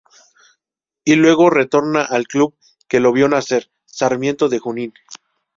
Y luego retorna al club que lo vio nacer, Sarmiento de Junín.